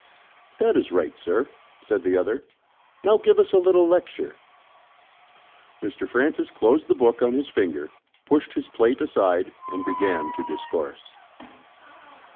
"That is right, sir," said the other. "Now give us a little lecture." Mr. Francis closed the book on his finger, pushed his plate aside, and began to discourse.